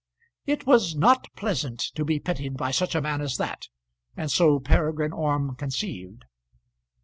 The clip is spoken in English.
It was not pleasant to be pitied by such a man as that, and so Peregrine Orme conceived.